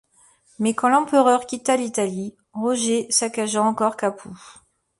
Mais quand l'empereur quitta l'Italie, Roger saccagea encore Capoue.